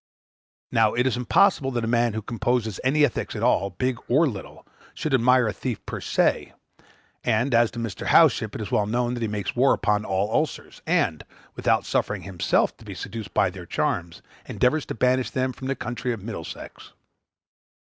Now, it is impossible that a man who composes any ethics at all, big or little, should admire a thief per se, and, as to Mr. Howship, it is well known that he makes war upon all ulcers; and, without suffering himself to be seduced by their charms, endeavors to banish them from the county of Middlesex.